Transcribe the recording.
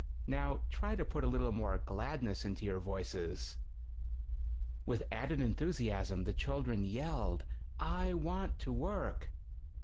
Now try to put a little 12 more gladness into your voices." With added enthusaism, the chil dren yelled: "I want to work!"